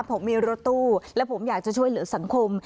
ผมมีรถตู้และผมอยากจะช่วยเหลือสังคม